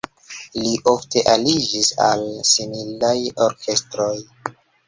Li ofte aliĝis al similaj orkestroj.